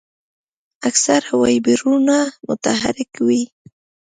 اکثره ویبریونونه متحرک وي.